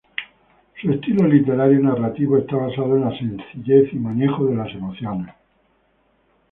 Su estilo literario narrativo está basado en la sencillez y manejo de las emociones.